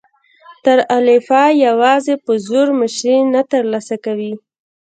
نر الفا یواځې په زور مشري نه تر لاسه کوي.